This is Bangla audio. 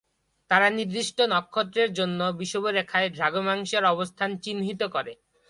তারা নির্দিষ্ট নক্ষত্রের জন্য বিষুবরেখায় দ্রাঘিমাংশের অবস্থান চিহ্নিত করে।